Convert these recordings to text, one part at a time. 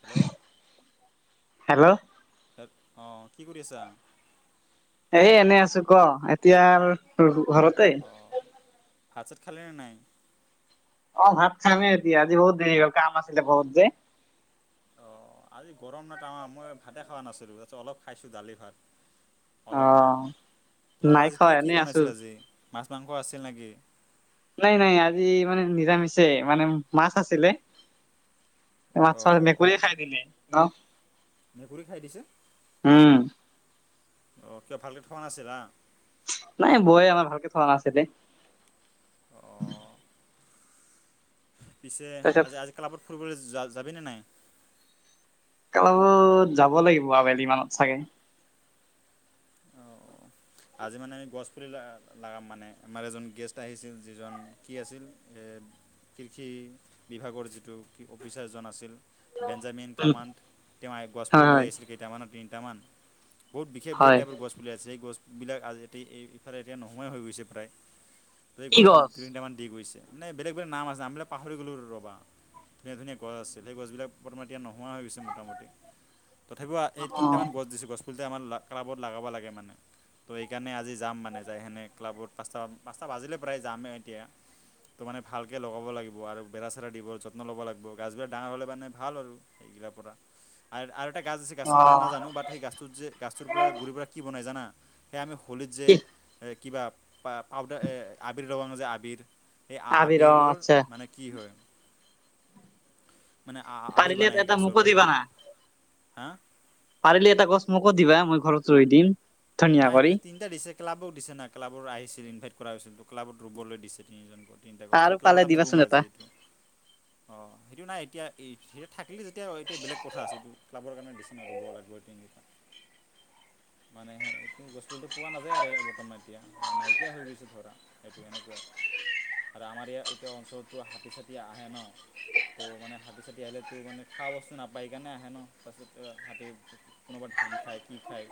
Hello? Hello? তাক অঁ কি কৰি আছা? এই এনে আছোঁ ক? এতিয়া আৰু ৰু ঘৰতে? অঁ, ভাত - ছাত খালে নে নাই? অ ভাত খাম হে এতিয়া আজি বহুত দেৰি হ'ল কাম আছিলে বহুত যে। অ, আজি গৰম ন তামাম, মই ভাতে খোৱা নাছিলোঁ তাৰপিছত অলপ খাইছোঁ দালি, ভাত অ অলপমান, তোমালোকৰ নাই আজি খোৱা কি কি এনেই আছো বনাইছিল আজি? মাছ - মাংস আছিল নেকি? নাই নাই আজি মানে নিৰামিষে মানে মাছ আছিলে। মাছৰ অঁ মেকুৰীয়ে খাই দিলে, অ। মেকুৰী খাই দিছে? উম। অঁ কিয় ভালকে থোৱা নাছিলা? নাই বৌয়ে আমাৰ ভালকে থোৱা নাছিলে। অ অ পিছে তাৰপিছত আজি আজি ক্লাবত ফুৰিবলৈ যোৱা যাবিনে নাই? ক্লাবত যাব লাগিব আবেলিমানত চাগে। অ অ। আজি মানে এই গছ পুলি ল লাগাম মানে আমাৰ এজন গেষ্ট আহিছিল যিজন কি আছিল এ কৃষি বিভাগৰ যিটো কি অফিচাৰজন আছিল। বেঞ্জামিন উম কামাণ্ড তেওঁ গছপুলি লৈ হয় হয় আহিছিলে কেইটামান তিনিটামান। বহুত বিশেষ বে হয় টাইপৰ গছপুলি আছে, সেই গছ সেইবিলাক আজ এ ইফালে এতিয়া নোহোৱাই হৈ গৈছে প্ৰায়, টো কি গছপুলি দুই গছ তিনিটামান দি গৈছে। নাই বেলেগ বেলেগ নাম আছে নামবিলাক পাহৰি গলোঁ ৰ'বা। ধুনীয়া ধুনীয়া গছ আছিল সেই গছবিলাক বৰ্তমান এতিয়া নোহোৱা হৈ গৈছে মোটামুটি। তথাপিও এই অ তিনিটামান গছ দিছো গছপুলিতে আমাৰ ক্লাবত লগাব লাগে মানে। তো সেইকাৰণে আজি যাম মানে যায় সেনে ক্লাবত পাঁচটা পাঁচটা বাজিলে প্ৰায় যামেই এতিয়া। তো মানে ভালকে লগাব লাগিব আৰু বেৰা চেৰা দিব লাগিব যত্ন ল'ব লাগিব গাছবিলাক ডাঙৰ হ'লে মানে ভাল আৰু। সেইবিলাৰ পৰা। আৰু আৰু এটা গাছ আছে অ গাছৰ নাম নাজানোঁ, বাট সেই গাছটোৰ যে গাছটোৰ পৰা গুৰি পৰা কি বনায় জানা? সেয়া আমি হোলিত যে কি কিবা পাউদাৰ আবিৰ লগাওঁ যে আবিৰ। সেই আবিৰ অ আবিৰৰ আচ্ছা মানে কি হয়। মানে আবিৰ পাৰিলে বনাই সেই এটা গাছৰ মোকো পাৰই, দিবা না হাঁ! পাৰিলে এটা গছ মোকো দিবা মই ঘৰত ৰুই দিম। ধুনীয়া নাই কৰি এনেকে আৰু তিন তিনিটা দিছে ক্লাবক দিছে না ক্লাবত আহিছিল ইনভাইট কৰা হৈছিল, ক্লাবত ৰুবলৈ দিছে তিনিজন কৈ। তিনিটা গছ টো আৰু ক্লাবত পালে আমি ৰুম দিবাচোন আজি এটা। এইটো। অ সেইটো নাই এতিয়া এতিয়া থাকিলে যেতিয়া এতিয়া বেলেগ কথা আছে এইটো ক্লাবৰ কাৰণে দিছে। ৰুব লাগিব তিনিটা, মানে হে এইটো গছপুলিটো পোৱা নাযায় আৰু বৰ্তমান এতিয়া, নাইকিয়া হৈ গৈছে ধৰা এইটো এনেকুৱাই। আৰু আমাৰ ইয়া এতিয়া অঞ্চলতটো হাতী ছাতী আহে ন। ত' মানে হাতী চাতী আহিলে তো মানে খোৱা বস্তু নাপায় কাৰণে আহে ন তাৰপিছত হাতী কোনোবা ধান খায় কি খায়।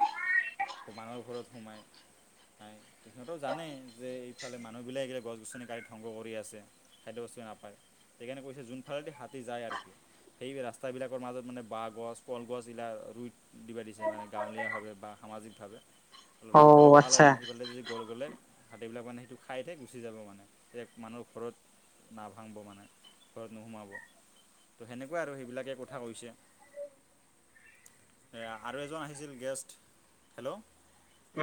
আকৌ মানুহৰ ঘৰত সোমায়। নাই সিহঁতও জানে যে এইফালে মানুহবিলাক গছ-গছনি কাটি ধ্বংস কৰি আছে। খাদ্যবস্তুৱে নাপায়, সেইকাৰণে কৈছে যোনফালেদি হাতী যায় আৰু কি। সেই ৰাস্তাবিলাকৰ মাজত মানে বাঁহ গছ কলগছ এইবিলাক ৰুই দিব দিছে মানে গাঁৱলীয়াভাৱে বা সামাজিকভাৱে অলপ অ ৰুই থ'লে ভাল হয় আচ্ছা মানে সেইফালে যদি গ'ল গ'লে হাতীবিলাক মানে সেইটো খাই খাই গুচি যাব মানে তেতিয়া মানুহৰ ঘৰত নাভাংব মানে, ঘৰত নোসোমাব। ত' সেনেকুৱা আৰু সেইবিলাকে কথা কৈছে। আৰু এজন আহিছিল গেষ্ট, হেল্ল'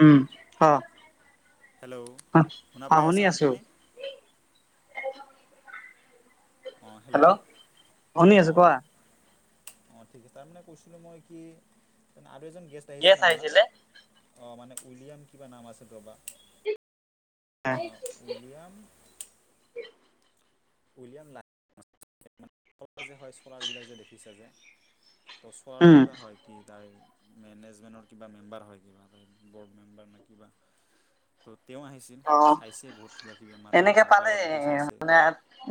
উম অহ, হেল্ল' শুনা পাই অহশুনি আছানে আছো। তুমি অৱ হেল্ল', শুনি অৱ আছো কোৱা অৱ ঠিক আছে তাৰমানে কৈছিলোঁ মই কি, তাৰমানে আৰু এজন গেষ্ট গেছ আহিছিল আমাৰ আহিছিলে অ মানে উইলিয়াম কিবা নাম আছে ৰবা। অ উইলিয়াম, উইলিয়াম নাই [unintelligible] হয় চলাৰ বিলাক যে দেখিছা যে ত' চলাৰ উম কিবা হয়। কি তাই মেনেজমেণ্টৰ কিবা মেম্বাৰ হয় কিবা তাই ব'ৰ্ড মেম্বাৰ নে কিবা। ত' তেওঁ আহিছিল অ চাইছে বহুত কিবা কিবি আমাৰ এনেকে ক পালে ক্লাবৰ বিষয়ে চাইছে। মানে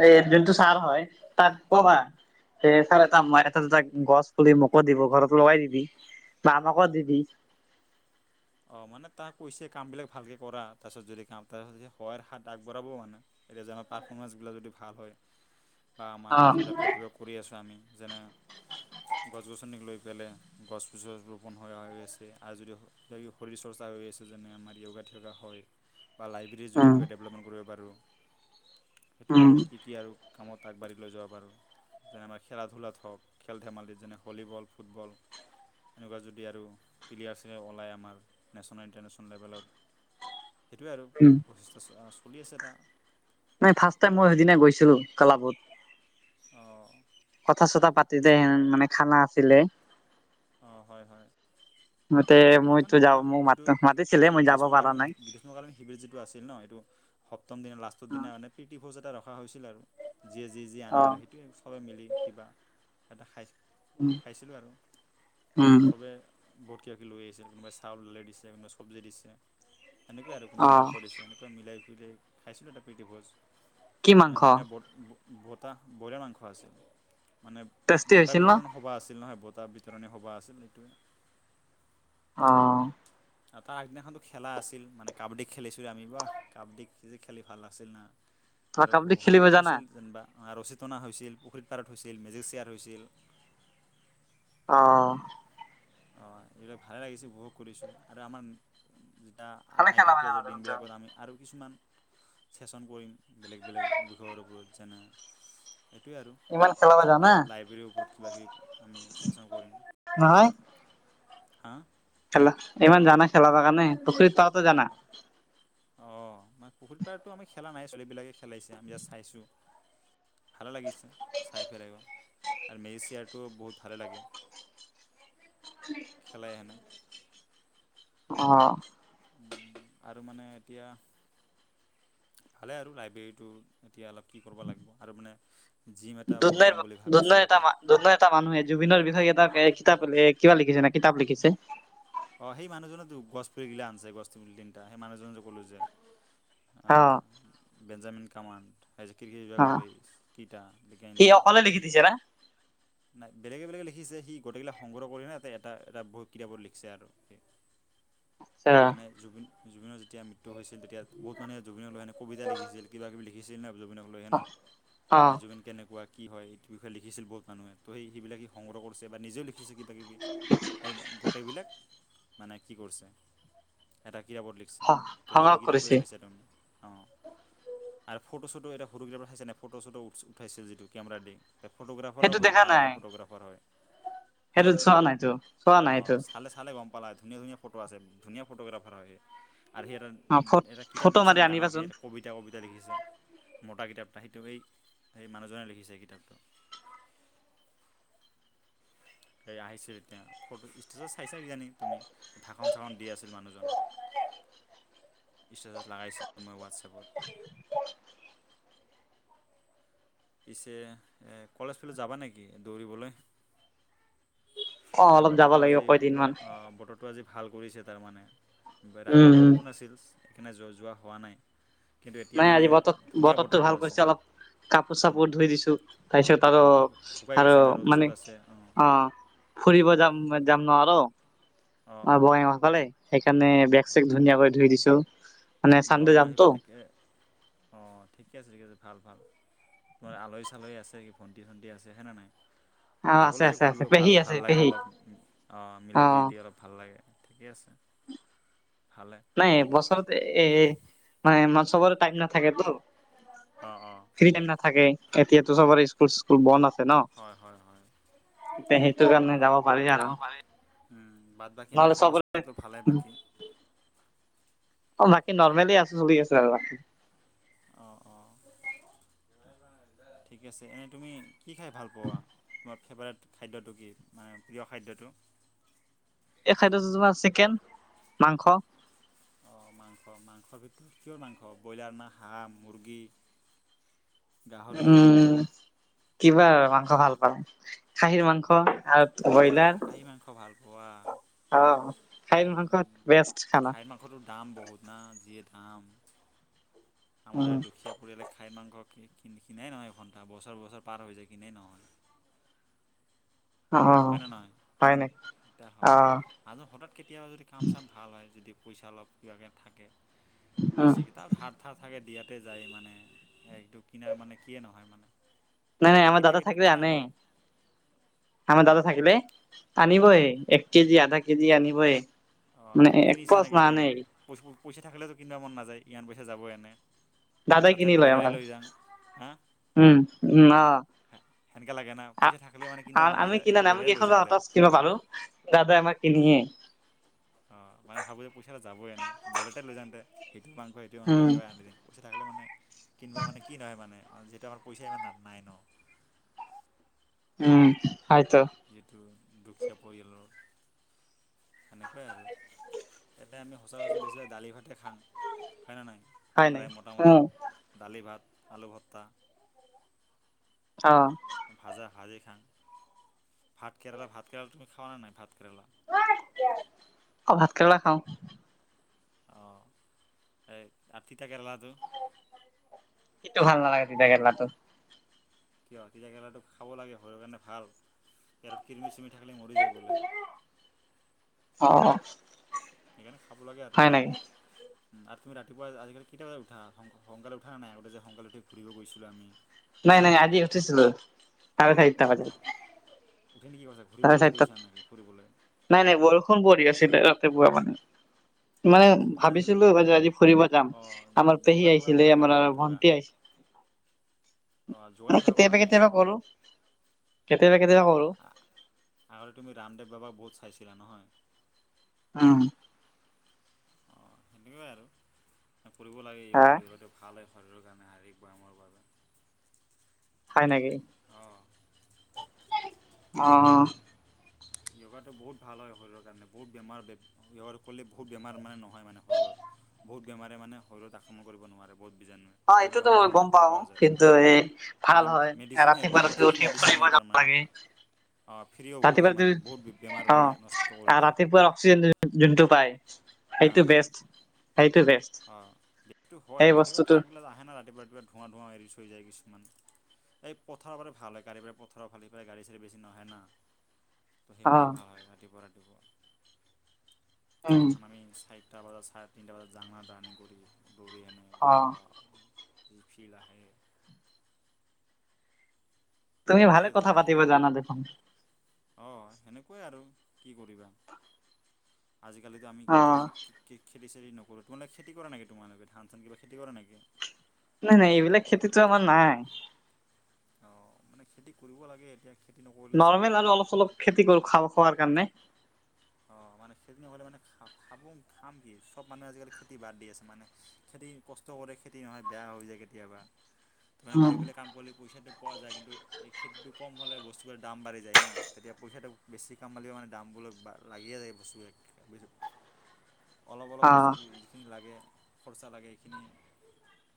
এই [unintelligible] ছাৰ হয় তাত ক'বা। এ ছাৰ এটা মই এটা দুটা গছ পুলি মোকো দিব ঘৰত লগাই দিবি। [unintelligible] দিবি। অ মানে তাক কৈছে কামবিলাক ভালকে কৰা তাৰপিছত যদি কাম তাৰপিছত সহায়ৰ হাত আগবঢ়াব মানে। এতিয়া যে আমাৰ পাৰফৰ্মেঞ্চবিলাক যদি ভাল হয়, বা অ আমাৰ যিবিলাক কৰ্তব্য কৰি আছোঁ আমি যেনে, গছ গছনিক লৈ পেলাই গছ [unintelligible] ৰোপণ হৈ [unintelligible] আছে আৰু যদি কিবা কিবি শৰীৰ চৰ্চা হৈ আছে, যেনে আমাৰ য়োগা থিয়গা হয়। বা লাইব্ৰেৰী যদি উম কিবা ডেভলপমেণ্ট কৰিব পাৰোঁ। সেইটোৱে উম আৰু কি কি আৰু কামত আগবাঢ়ি লৈ যাব পাৰোঁ। যেনেবা খেলা ধূলাত হওক। খেল ধেমালি যেনে হলীবল, ফুটবল। এনেকুৱা যদি আৰু প্লিয়া আছে অলায় আমাৰ নেচনেল ইণ্টাৰনেচনেল লেভেলত সেইটোৱে আৰু উম প্ৰ [unintelligible] আছে এটা। নাই ফাষ্ট টাইম মই সেইদিনা গৈছিলো ক্লাবত। অঁ। কথা চথা পাতিলে হেন মানে খানা আছিলে। অঁ। হয় হয়। মতে সেইটো মানে মইতো যাব আমাৰ মোক মাত যিটো মাতিছিলে মই যাব পৰা গ্ৰীষ্মকালীন নাই। [unintelligible] কালীন শিবিৰ যিটো আছিল ন। সেইটো সপ্তম দিনা লাষ্টৰ দিনা মানে প্ৰীতি ভোজ এটা ৰখা হৈছিল আৰু। যিয়ে যি যি আনে আৰু অ'। সেইটোৱে চবে মিলি কিবা সেতে খাই। খাইছিলোঁ আৰু উম, চবে বহুত কিবা কিবি লৈ আহিছে। কোনোবাই চাউল উলিয়াই দিছে, কোনোবাই চব্জি দিছে। সেনেকুৱাই আৰু কোনোবাই অ', মাংস দিছে এনেকুৱা মিলাই [unintelligible] খাইছিলোঁ এটা প্ৰীতিভোজ। কি মানে মাংস সিদিনা বত ব বতাহ ব্ৰইলা মাংস আছিল। মানে টেষ্টি বঁটা হৈছিল ন? বিতৰণ সভা আছিল নহয়। বঁটা বিতৰণী সভা আছিল, এইটোৱে। অ। তাৰ আগদিনাখনতো খেলা আছিল মানে কাবাডী খেলিছিলোঁৱে আমি বাঃ। কাবাডী খেলি ভাল লাগিছিল না তই আৰু কাবাডী খেলিব হলীবলো জানা? হৈছিল যিনবা। আ ৰচী টনা হৈছিল, পুখুৰীত পাৰত হৈছিল, মেজিক শ্বেয়াৰ হৈছিল। অ। অঁ এইবিলাক ভালে লাগিছে উপভোগ কৰিছোঁ। আৰু আমাৰ [unintelligible] ভালে আই খেলাব থকীয়া জানা আছে দেখোন তই, দিনবিলাকত আমি আৰু কিছুমান চেচন কৰিম বেলেগ বেলেগ বিষয়ৰ ওপৰত যেনে এইটোৱে আৰু ইমান খেলাব লাই জানা লাইব্ৰেৰীৰ ওপৰত কিবাকিবি আমি চেচন কৰিম। নহয়। হা। খেলা ইমান জানা খেলাবা কাণে? পুখুৰীত পাৰটো জানা। অঁহ। মানে পুখুৰীপাৰতো আমি খেলা নাই। চলিবিলাকে খেলাইছে, আমি জাস্ত চাইছো। ভালে লাগিছে, চাই পেলাইও। আৰু মেজিক চিয়াৰটো বহুত ভালে লাগে। খেলাইহেনে। অ। আৰু মানে এতিয়া ভালে আৰু লাইব্ৰেৰীটো এতিয়া অলপ কি কৰিব লাগিব আৰু মানে। জিম এটা বনাম বুলি ভাবিছোঁ এটা। দুধনৈ এটা মানুহে জুবিনৰ বিষয়ে এটা কে কিতাপ লে কিবা লিখিছেনে কিতাপ লিখিছে। অ। সেই মানুহজনেতো গছ পুলিগিলা আনছে, গছ পুলি তিনিটা। সেই মানুহজন যে ক'লো যে। অঁ। অ', বেঞ্জামিন কামাণ্ড। অ', সি [unintelligible] অকলে লিখি দিছে না? নাই। বেলেগে বেলেগ লিখিছে সি গটেইকেইলা সংগহ কৰি ন [unintelligible] এটা এটা ভ কিতাপ [unintelligible] [unintelligible] অ', মানে জুবিন জুবিনৰ যেতিয়া মৃতু ত', হৈছিল। তেতিয়া বহুত মানে জুবিনক লৈ কবিত লিখিছিল। কিবা কিবি লিখিছিল ন জুবিন লৈ কেনা এ, জুবিন কেনেকুৱা কি হয়। এইটোৰ বিষয়ে লিখিছিল। বহুত মানুহে তো সেই সেইবিলাকি সংগ্ৰহ কৰিছে বা নিজেও লিখিছে কিবাকিবি। [unintelligible] গোটেইবিলাক মানে কি কৰিছে। এটা কিতাপত লিখ অ', ত', সংগ্ৰহ সেইটো কিতাপটোৱে কৰিছে। চাইছা তামানে অ, আৰু ফটো চটো এটা ফৰুটোগ্ৰাফাৰ চাইছে নাই। ফটো শ্বটো উঠ উঠাইছিল যিটো কেমেৰা দি। ফটোগ্ৰাফাৰো সেইটো হয়। দেখা ভাল এটা নাই ফটোগ্ৰাফাৰ হয়। হা সেইটো চোৱা নাইতো চোৱা অ, নাই এইটো চালে গম পালে। ধুনীয়া ধুনীয়া ফটো আছে। ধুনীয়া ফটোগ্ৰাফাৰ হয়, আৰু সিটা। অ ফ এটা কিতাপ ফটো দেখিছে মাৰি না ডাঙৰ কে আনিবাচোন এটা কবিতা কবিতা লিখিছে মতা কিতাপ এটা সেইটো এই সেই মানুহজনে লিখিছে। কিতাপটো। হে আহিছে। এতিয়া ফট ইছ চাইছা কিজানি তুমি ভাষণ চাসন দি আছিল। মানুহজন ষ্টেটাছ লগাইছিলো। মই হোৱাটছএপত পিছে কলেজ ফালে যাবা নেকি দৌৰিবলৈ অ এই অলপ যাব বতৰটো লাগিব আজি কেইদিন মান বত ত', আজি ভাল কৰিছে। তাৰমানে উম ৰাতিপুৱা উম বৰষুণ আছিল। সেইকাৰণে যোৱা হোৱা নাই। কিন্তু এতিয়া নাই। মানে আজি বতত ধুনীয়া বতৰতো বতৰটো ভাল আছে কৰিছে অলপ কাপোৰ উম, চাপোৰ ধুই দিছো তাৰপিছত আৰু অঁ শুক- শুকাই আৰু গৈছে না ৰ'দ মানে চ'দ আছে অঁ অ, ফুৰিব যাম যাম ন আৰু অঁ অ, অঁ বঙাইগাঁও ফালে। সেইকাৰণে বেক চেক ধুনীয়া কৰি ধুই দিছো মানে চান্দে যামটো। অ', ঠিকে আছে। ঠিকে আছে। ভাল-ভাল তোমাৰ আলহী চালহী আছে। কি ভণ্টি চণ্টি আছে। হেনে নাই। অ আছে যাবলৈ আছে সুধিব আছে ভাল পেহী আছে ভাল লাগে। পেহী অলপ অ মিলে প্ৰিতি অলপ। ভাল লাগে। ঠিকেই আছে। ভালে নাই। বছৰতৰত এ মানে মঞ্চবৰ টাইম নাথাকেতো। অ', অ, ফ্ৰী টাইম নাথাকে। এতিয়াতো চবৰে স্কুল চকুল বন্ধ আছে ন? হয় হয় হয় সেইটোৰ কাৰণে যাব মানে পাৰি আৰু যাব পাৰি। বাদ বাকী এনে নহ'লে খবৰ চবৰে চবৰটো ভালেই বাকী অ', বাকী নৰ্মেলি আছো চলি আছে আৰু অ', অ, ঠিক আছে। এনেই তুমি কি খাই ভাল পোৱা? তোমাৰ ফেভাৰেট খাদ্যটো কি মানে প্ৰিয় খাদ্যটো? এই খাদ্যটো তোমাৰ চিকেন, মাংস অ', মাংস মাংসৰ ভিতৰত কিহৰ মাংস ব্ৰইলাৰ না হাঁহ, মুৰ্গী? গাহৰি উম', কিবা আৰু মাংস ভাল পাও খাহিৰ মাংস আৰু অঁ ব্ৰইলাৰ খাহী মাংস ভাল পোৱা অ', কাশীৰ মংস বেষ্ট খানা। [unintelligible] দাম বহুত না যিয়ে দাম আমাৰ উম এই দুখীয়া পৰিয়ালে কাশীৰ মাংস কিনাই নহয় এ ঘণ্টা বছৰ বছৰ পাৰ হৈ যায় কিনাই নহয়। অ', হয়নে নহয় হয় নে? হয় আৰু হঠাৎ কেতিয়াবা যদি কাম চাম ভাল হয়। যদি পইচা অলপ কিবা কে থাকে। উম বেছিকৈ তাত হাত ধাৰ থাকে দিয়াতে যায় মানে সেইটো কিনাৰ মানে কিয়ে নহয় মানে নাই নাই কেতিয়াবা আমাৰ দাদা কেতিয়াবা থাকিলে কিনা আনে হয়। আমাৰ দাদা উম, থাকিলে আনিবই অঁ এক কেজি, আধা কেজি আনিবই। মানে একপোৱাটো নানেই। পচ পইচা থাকিলেতো কিনিবা মন নাযায় ইমান পইচা যাব এনেই, দাদাই তাত চাই কিনি লয় ব্ৰইলাৰেই আমাৰ লৈ যাওঁ। হা। উম, উম, সেনেকা লাগে না। পইচা অ'। থাকিলেও মানে কিনিব মন নাযায়, এই ব্ৰইলাৰে লৈ যাওঁ দে। কিবা কালো দাদাই আমাক কিনিয়েই। অঁ, মানে ভাবো যে পইচটো যাবই এনে ব্ৰইলাৰকে লৈ যাওঁতে, সেইটো মাংস, সেইটো মাংস উম, এনেকা ৰান্ধিবি। পইচা থাকিলে মানে কিনিব মানে কি নহয় মানে যিহেতু আমাৰ পইচা ইমান নাই ন। উম, হয় তো। যিটো দুখীয়া পৰিয়ালৰ সেনেকুৱাই আৰু। ইয়াতে আমি সচৰাচৰ বেছিভাগেই দালি ভাতে খাওঁ, হয় না নহয়? হয় প্ৰায় নেকি? মোটামুটি উম, দালি ভাত, আলু ভত্তা। অঁ। ভাজা ভাজি খাং। ভাত কেৰেলা, ভাত কেৰেলা তুমি খোৱা নে নাই ভাত কেৰেলা? অঁ, ভাত কেৰেলা খাওঁ। অঁ, এই তিতা কেৰেলাটো? সেইটো ভাল নালাগে তিতা কেৰেলাটো। কিয়? তিতা কেৰেলাটো খাব লাগে শৰীৰৰ কাৰণে ভাল, পেটত কৰিমি চিৰমি থাকিলে মৰি যায় বোলে। অঁ, অঁ। সেইকাৰণে খাব লাগে আৰু। আৰু তুমি ৰাতিপুৱা আজিকালি কেইটা বজাত উঠা? সোনকালে উঠা না নাই, আগতে যে সোনকালে উঠি ঘূৰিব গৈছিলোঁ আমি। নাই নাই আজি উঠিছিলো চাৰে চাৰিটা অ, বজাত। উঠি খিনি কি কৰিছা, চাৰে ঘূৰিবলৈ চাৰিটাত। গৈছে নে নাই ঘূৰিবলৈ? নাই নাই বৰষুণ পৰি আছিল ৰাতি পুৱা মানে। অ, মানে পিছত তুমি আজিকালি ভাবিছিলোঁ মই যে আজি ফুৰিব যাম অঁ আমাৰ পেহী যোগা থকা আহিছিলে কৰা নাই আমাৰ যোগা থকা ভণ্টি আহিছিল। [inaudible] অঁ যোগা থকা কৰা কেতিয়াবা নাই কেতিয়াবা কৰো, কেতিয়াবা কেতিয়াবা অঁ কৰো। আগতে তুমি ৰামদেৱ বাবাক বহুত চাইছিলা নহয়। উম। অঁ, সেনেকুৱাই আৰু কৰিব লাগে হা, য়োগা যোগাটো। ভাল হয় শৰীৰৰ কাৰণে, শাৰীৰিক ব্যায়ামৰ বাবে। হয় নেকি? অঁ। অঁ, অহ। য়োগাটো বহুত ভাল হয় শৰীৰৰ কাৰণে, বহুত বেমাৰ ব্যৱহাৰ কৰিলে- বহুত বেমাৰ মানে নহয় মানে শৰীৰত, বহুত বেমাৰে মানে শৰীৰত আক্ৰমণ কৰিব নোৱাৰে বহুত বীজাণুৱে। অ বহুত এইটোতো বেমাৰৰ পৰা গম মুক্ত পাও পোৱা যায়। কিন্তু এই ভাল মানে হয় মেডিচিন হৈ, ৰাতিপুৱা ৰাতিপুৱা ফ্ৰী উঠি মেডিচিন ফুৰিব হয় যাব তাৰমানে লাগে এটা। ফ্ৰী ঔষধ ৰাতিপুৱা হয় মানে বহুত বেমাৰ অ মানে নষ্ট কৰি দিয়ে। ৰাতিপুৱাৰ অক্সিজেন যোনটো পায় হা সেইটো বেষ্ট, সেইটো বেষ্ট। অঁ, সেইটো হয়, সেই তথাপিও বস্তুটো ট্ৰাকবিলাক আহে না ৰাতিপুৱা, ৰাতিপুৱা ধোঁৱা ধোঁৱা এৰি থৈ যায় কিছুমান। এই পথাৰ হলে ভাল হয়, গাড়ী পথাৰৰ ভাল সিফালে গাড়ী চাড়ী বেছি নহয় না। অ সেইফালে ভাল হয় ৰাতিপুৱা ৰাতিপুৱা। উম যখন আমি চাৰিটা বজাত, চাৰে তিনিটা বজাত জাং না ৰানিং কৰি দৌৰি এনে। অ ৱাও যি ফিল আহে। তুমি এটা ভালে বেলেগেই কথা পাতিব জানা দেখোন। অ এনেকুৱাই আৰু কি কৰিবা, আজিকালিতো আমি অ শিক কি খেতি চেতি নকৰোঁ তোমালোকে খেতি কৰা নেকি তোমালোকে ধন চান কিবা খেতি কৰা নেকি। নাই নাই এইবিলাক খেতিটো আমাৰ নাই। অ, মানে খেতি কৰিব লাগে এতিয়া। খেতি নকৰিলে চোৱা নৰ্মেল আৰু অলপ চলপ খেতি কৰো খাব খোৱাৰ কাৰণে। অ মানে খেতি নকৰিলে মানে খাবো খাম কি চব মানুহে আজিকালি খেতি বাদ দি আছে মানে। খেতি কষ্ট কৰে খেতি নহয় বেয়া হৈ যায় কেতিয়াবা তাৰমানে বেলেগ বেলেগ কাম কৰিলে পইচাটো। পোৱা যায় কিন্তু, এই খেতিটো কম হ'লে বস্তুবোৰৰ দাম বাঢ়ি যায় না, তেতিয়া পইচাটো বেছি কামালীও মানে দামবোৰো বা। লাগিয়ে যায় বস্তু বিলাক, অলপ অলপ অ বস্তু। কি লাগে খৰচা লাগে এইখিনি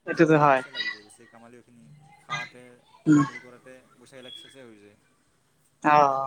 বেছি এইটোতো টাইম হয় পইচাই লাগি যায় বেছি। গেমালিওখিনি খাৱাতে, উম কি কৰোতে পইচাবিলাক চেছেই হৈ যায়। অ অ,